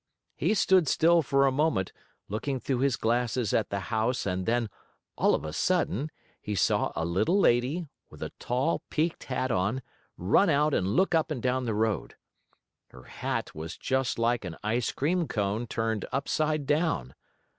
He stood still for a moment, looking through his glasses at the house and then, all of a sudden, he saw a little lady, with a tall, peaked hat on, run out and look up and down the road. Her hat was just like an ice cream cone turned upside down.